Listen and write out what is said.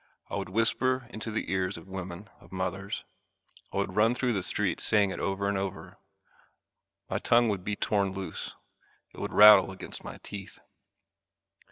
I would whisper it into the ears of women, of mothers. I would run through the streets saying it over and over. My tongue would be torn loose it would rattle against my teeth.